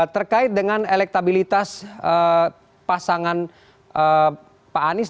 terkait dengan elektabilitas pasangan pak anies